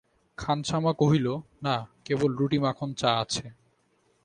খানসামা কহিল, না, কেবল রুটি মাখন চা আছে।